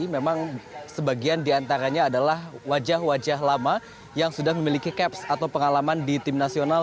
memang sebagian diantaranya adalah wajah wajah lama yang sudah memiliki caps atau pengalaman di tim nasional